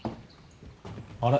あれ？